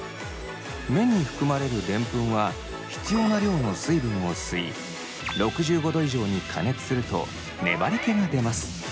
麺に含まれるデンプンは必要な量の水分を吸い６５度以上に加熱すると粘りけが出ます。